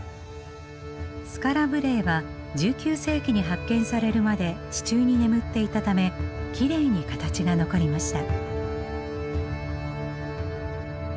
スカラ・ブレエは１９世紀に発見されるまで地中に眠っていたためきれいに形が残りました。